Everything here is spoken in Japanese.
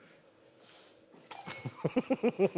フフフフ！